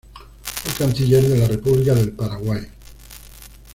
Fue Canciller de la República del Paraguay.